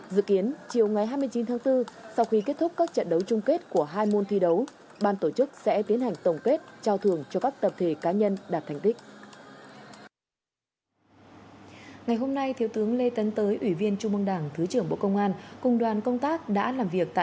dự kiến chiều ngày hai mươi chín tháng bốn sau khi kết thúc các trận đấu chung kết của hai môn thi đấu ban tổ chức sẽ tiến hành tổng kết trao thưởng cho các tập thể cá nhân đạt thành tích